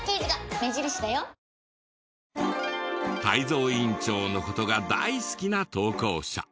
泰造委員長の事が大好きな投稿者。